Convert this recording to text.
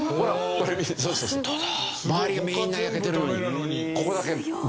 周りがみんな焼けてるのにここだけ無事でしょ全く。